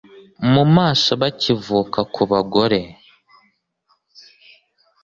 mu maso bakivuka Ku bagore